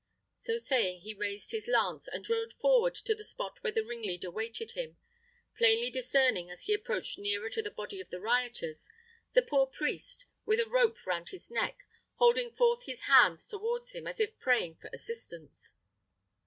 So saying he raised his lance, and rode forward to the spot where the ringleader waited him; plainly discerning, as he approached nearer to the body of the rioters, the poor priest, with a rope round his neck, holding forth his hands towards him, as if praying for assistance.